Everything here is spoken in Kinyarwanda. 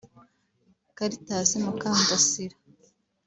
Cartas Mukandasira